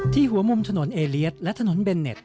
หัวมุมถนนเอเลียสและถนนเบนเน็ต